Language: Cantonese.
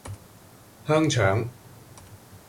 香腸